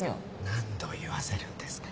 何度言わせるんですか。